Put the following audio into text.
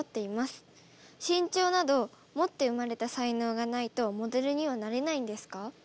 身長など持って生まれた才能がないとモデルにはなれないんですか？